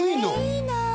いいな！